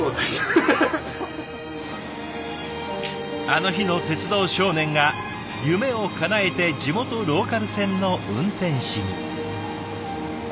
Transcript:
あの日の鉄道少年が夢をかなえて地元ローカル線の運転士に。